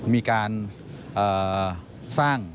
มีการสร้าง